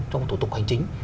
trong tổ tục hành chính